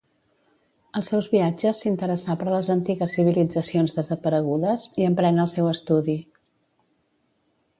Als seus viatges s'interessà per les antigues civilitzacions desaparegudes i emprèn el seu estudi.